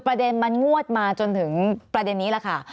ประเด็นมันงวดมาจนถึงประเด็นนี้แหละค่ะ